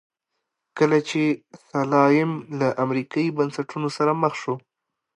کله چې سلایم له امریکایي بنسټونو سره مخ شو.